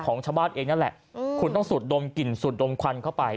ของชาวบ้านเองนั่นแหละคุณต้องสูดดมกลิ่นสูดดมควันเข้าไป